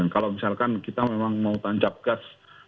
kalau misalkan kita memang mau tancap gas